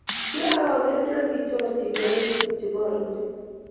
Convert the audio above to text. kiaoroken ya kichor chi ngoraikchu chebo arusit.